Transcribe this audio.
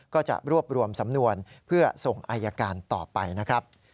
ก็จะรวบรวมสำนวนเพื่อส่งอายการต่อไปนะครับ